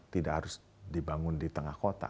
tidak harus dibangun di tengah kota